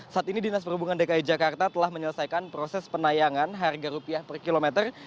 saat ini dinas perhubungan dki jakarta telah menyelesaikan proses penayangan harga rupiah per kilometer